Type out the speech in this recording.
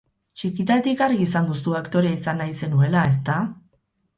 Txikitatik argi izan duzu aktorea izan nahi zenuela, ezta?